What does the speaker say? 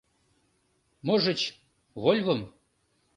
Можыч, «Вольвым»...